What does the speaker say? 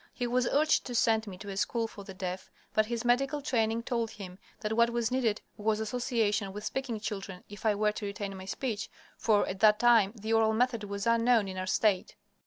He was urged to send me to a school for the deaf, but his medical training told him that what was needed was association with speaking children, if I were to retain my speech, for at that time the oral method was unknown in our state.